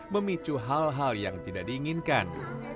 memicu hal hal yang tidak diinginkan